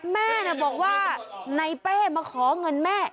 แม่บอกว่าในเป้มาขอเงินแม่